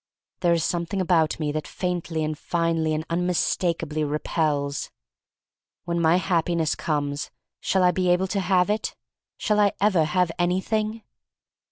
There is something about me that faintly and finely and unmistakably repels. When my Happiness comes, shall I be able to have it? Shall I ever have anything?